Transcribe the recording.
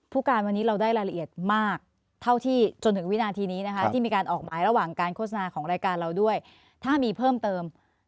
ผู้การวันนี้เราได้รายละเอียดมากเท่าที่จนถึงวินาทีนี้นะคะที่มีการออกหมายระหว่างการโฆษณาของรายการเราด้วยถ้ามีเพิ่มเติม